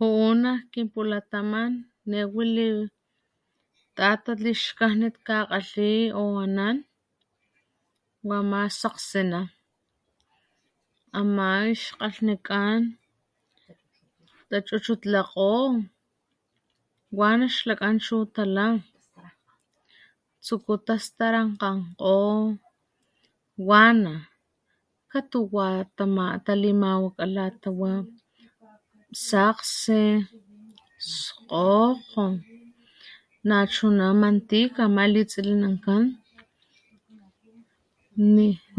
Ju'u nak kin pulataman ne wali tatat lixkajnet kakgalhi o anan wama sakgsina ama ixkgalhijkan tachuchut lakgo ¿wana xlakan chu tala? tsuku tastarankgankgo ¿wana? katuwa talimawakga la tawa sakgsi, skgo'go nachuna mantika ama litsilinankan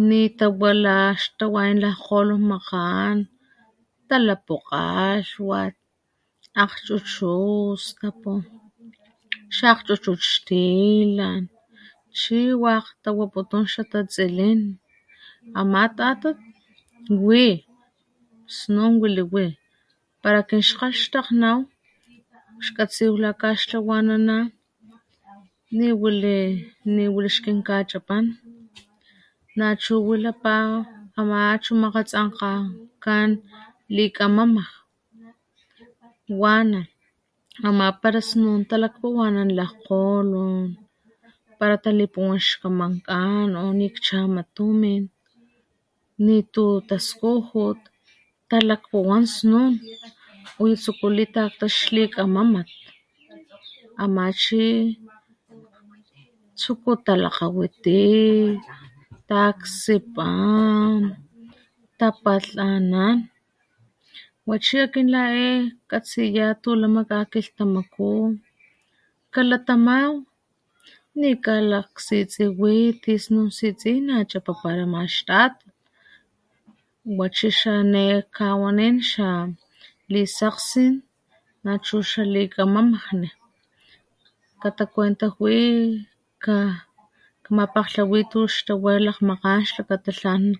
ni tawa la xtawayan lajkgolon makgan talapu kgalhwat, akgchuchutstapu xa akgchuchut xtilan chi wakg tawaputum xa tatsilin ama tatat wi, snun wili wi pala akin xkgalhxtakgnaw xkatsiw la kaxtlawanana ni wili xkinkachipan nachu wilapa ama achu makgatsankgakan likamama ¿wana? ama pala snun talakpuwanan lajkgolon pala talipuwan xkgamankan o niakchama tumin, nitu taskujut talakpuwan snun uyu tsuku litakta xlikgamama ama chi tsuku talakgawiti, taksipan, tapatlanan wachi kin la e katsiya tulama kakilhtamaku kalatamaw ni kalaksitsiwi ti snun sitsi nachapapara maxtatat wachi ne e jkawanin xa lisakgsi nachu xalikamama katakuentajwi, kamapakglhawi tu xtawa lakgmakgan xkata tlan kilatamatkan nawan.